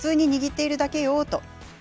普通に握っているだけよと。